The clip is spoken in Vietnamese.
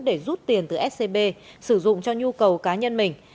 để rút tiền từ scb sử dụng cho nhu cầu cá nhân mình